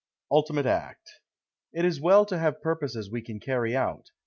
ULTIMATE ACT It is well to have purposes we can carry out.